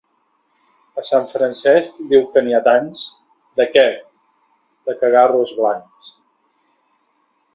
A Sant Francesc diu que n'hi ha tants! —De què? —De cagarros blancs.